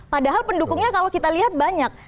padahal pendukungnya kalau kita lihat banyak